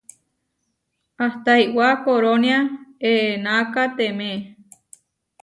Ahta iʼwá korónia eʼenakatemé.